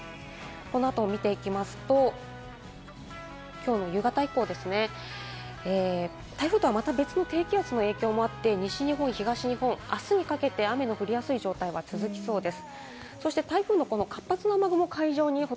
この後を見ていきますと、きょうの夕方以降、台風とはまた別の低気圧の影響もあって西日本、東日本、あすにかけて雨の降りやすい状態が続きそうです。